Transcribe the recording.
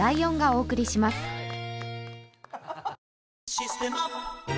「システマ」